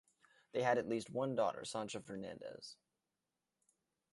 They had at least one daughter, "Sancha Fernandes".